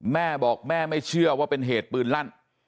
แม่บอกแม่ไม่เชื่อว่าเป็นเหตุปืนลั่น